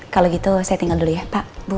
kalau gitu saya tinggal dulu ya pak